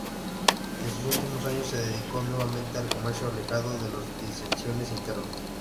En sus últimos años se dedicó nuevamente al comercio, alejado de las disensiones internas.